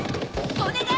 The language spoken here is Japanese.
お願い！